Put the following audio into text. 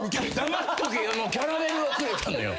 「黙っとけよ」のキャラメルをくれたのよ。